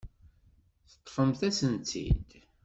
Teṭṭfemt-asen-tt-id.